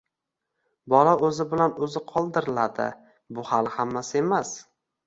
bola o‘zi bilan o‘zi qoldiriladi. Bu hali hammasi emas.